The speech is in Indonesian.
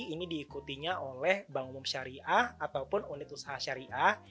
ini diikutinya oleh bank umum syariah ataupun unit usaha syariah